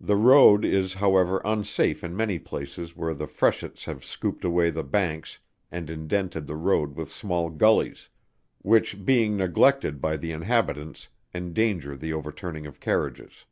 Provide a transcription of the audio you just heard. The road, is however, unsafe in many places where the freshets have scooped away the banks and indented the road with small gullies, which being neglected by the inhabitants, endanger the overturning of carriages.